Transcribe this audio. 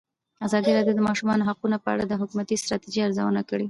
ازادي راډیو د د ماشومانو حقونه په اړه د حکومتي ستراتیژۍ ارزونه کړې.